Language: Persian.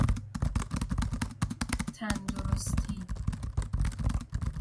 تندرستی